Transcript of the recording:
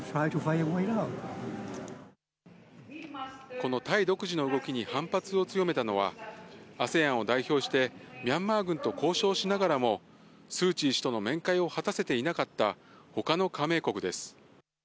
このタイ独自の動きに反発を強めたのは、ＡＳＥＡＮを代表して、ミャンマー軍と交渉しながらも、スーチー氏との面会を果たせていなかったほかの加盟国です。